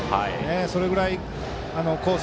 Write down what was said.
それぐらいコース